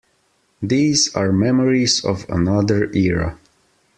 These are memories of another era.